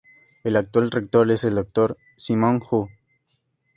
El actual rector es el Doctor Simon Ho.